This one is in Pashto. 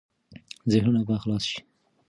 ذهنونه به خلاص شي.